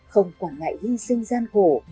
không quả ngại hy sinh gian khổ